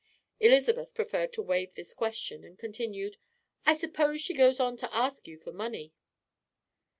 Elizabeth preferred to waive this question, and continued: "I suppose she goes on to ask you for money?"